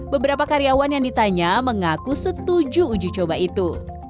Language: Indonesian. beberapa karyawan yang ditanya mengaku setuju uji coba itu